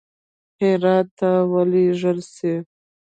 هرات ته ولېږل سي.